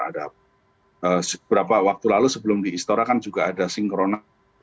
ada beberapa waktu lalu sebelum di istora kan juga ada sinkrona